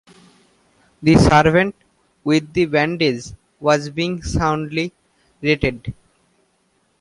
The servant with the bandage was being soundly rated.